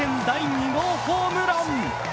第２号ホームラン。